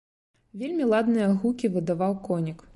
Вельмі ладныя гукі выдаваў конік.